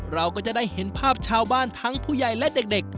เราก็จะได้เห็นภาพชาวบ้านทั้งผู้ใหญ่และเด็ก